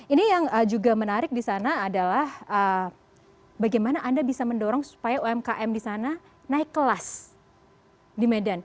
ini yang juga menarik disana adalah bagaimana anda bisa mendorong supaya umkm disana naik kelas di medan